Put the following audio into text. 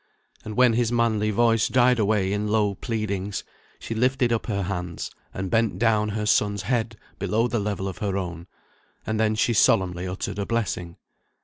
And when his manly voice died away in low pleadings, she lifted up her hands, and bent down her son's head below the level of her own; and then she solemnly uttered a blessing.